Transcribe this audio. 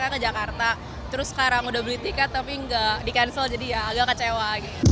ke jakarta terus sekarang udah beli tiket tapi nggak di cancel jadi ya agak kecewa